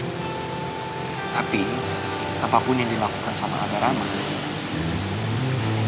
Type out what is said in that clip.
tapi apapun yang dilakukan sama ada ramah